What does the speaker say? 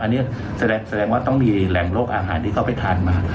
อันนี้แสดงว่าต้องมีแหล่งโรคอาหารที่เขาไปทานมา